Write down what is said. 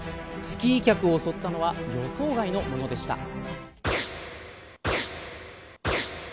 スキー客を襲ったのは予想外のものでした。